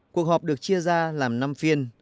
cuộc họp được chia ra làm năm phiên